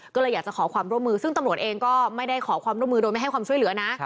ก็เลยอยากจะขอความร่วมมือซึ่งตำรวจเองก็ไม่ได้ขอความร่วมมือโดยไม่ให้ความช่วยเหลือนะ